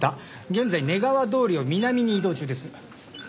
現在根川通りを南に移動中です。